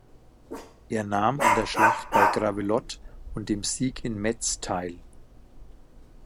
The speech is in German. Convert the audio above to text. Er nahm an der Schlacht bei Gravelotte und dem Sieg in Metz teil.